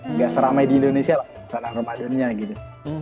nggak seramai di indonesia cuma suasananya ramadannya gitu